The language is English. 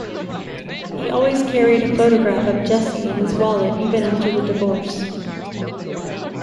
He always carried a photograph of Jessie in his wallet even after the divorce.